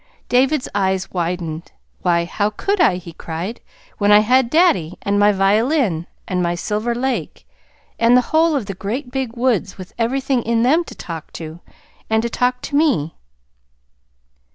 David's eyes widened. "Why, how could I?" he cried. "When I had daddy, and my violin, and my Silver Lake, and the whole of the great big woods with everything in them to talk to, and to talk to me?"